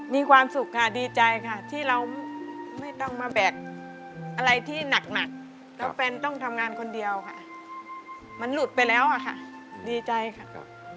มีความสุขค่ะดีใจค่ะที่เราไม่ต้องมาแบกอะไรที่หนักแล้วแฟนต้องทำงานคนเดียวค่ะมันหลุดไปแล้วอะค่ะดีใจค่ะ